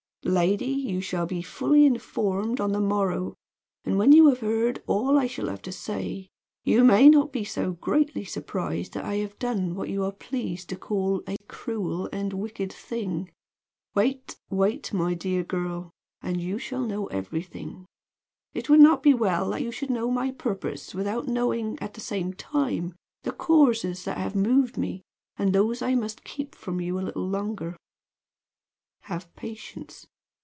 "Lady, you shall be fully informed on the morrow, and when you have heard all I shall have to say you may not be so greatly surprised that I have done what you are pleased to call a cruel, wicked thing. Wait, wait, my dear girl, and you shall know everything. It would not be well that you should know my purpose without knowing, at the same time, the causes that have moved me, and those I must keep from you a little longer. Have patience.